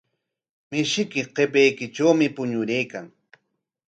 Mishiyki qipaykitrawmi puñuraykan.